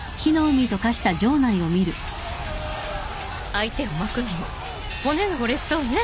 相手をまくにも骨が折れそうね。